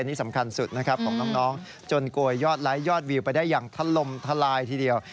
เป็นที่สำคัญสุดของน้องจนโกยยอดไลท์ยอดวิวไปได้อย่างทะลมทะลายทีเดียว